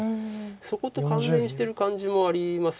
そこと関連してる感じもあります。